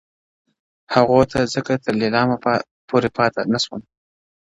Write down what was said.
هغوو ته ځکه تر لیلامه پوري پاته نه سوم”